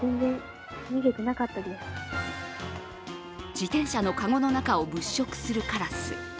自転車の籠の中を物色するカラス。